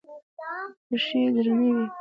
پښې يې درنې وې.